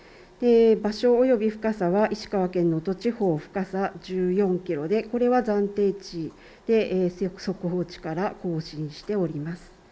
場所および深さは石川県能登地方、深さ１４キロでこれは暫定値で速報値から更新しております。